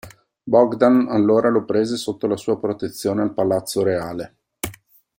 Bogdan allora lo prese sotto la sua protezione al palazzo reale.